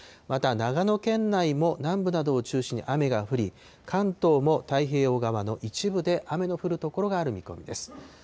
また長野県内も南部などを中心に雨が降り、関東も太平洋側の一部で雨の降る所がある見込みです。